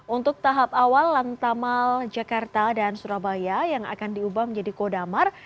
untuk tahap awal lantamal jakarta dan surabaya yang akan diubah menjadi kodamar